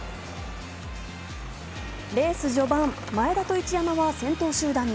レース序盤、前田と一山は先頭集団に。